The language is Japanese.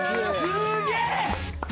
すげえ！